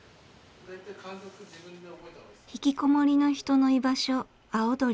ひきこもりの人の居場所葵鳥。